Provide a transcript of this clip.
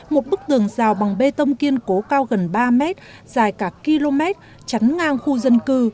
một bức tường rào bằng bê tông kiên cố cao gần ba mét dài cả km chắn ngang khu dân cư